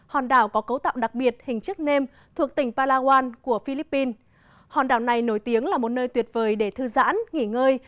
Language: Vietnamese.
hòn đảo này nổi tiếng là một nơi tuyệt vời để thư giãn nghỉ ngơi